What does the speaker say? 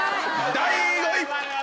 第５位！